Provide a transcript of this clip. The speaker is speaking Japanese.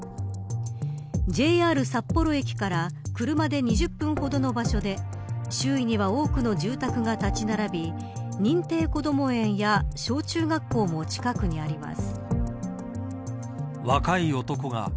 ＪＲ札幌駅から車で２０分ほどの場所で周囲には多くの住宅が建ち並び認定こども園や小中学校も近くにあります。